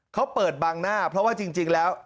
เขาเปิดบังหน้าเพราะว่าจริงแล้ว